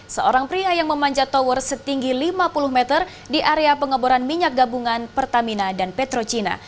seorang pria yang memanjat tower setinggi lima puluh meter di area pengeboran minyak gabungan pertamina dan petro cina